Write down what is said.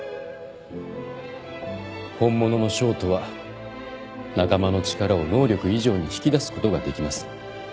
本物の将とは仲間の力を能力以上に引き出すことができます。